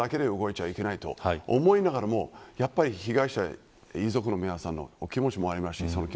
感情だけで動いちゃいけないと思いながらもやっぱり被害者や遺族の皆さんのお気持ちもあります